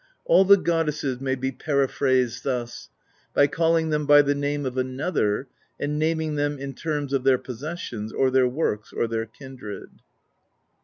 All the goddesses may be periphrased thus: by calling them by the name of another, and naming them in terms of their possessions or their works or their kindred.